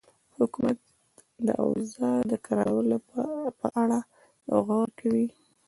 حکومت د اوضاع د کرارولو په اړه غور کوي.